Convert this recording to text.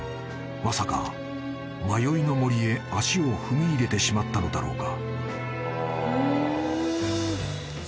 ［まさか迷いの森へ足を踏み入れてしまったのだろうか］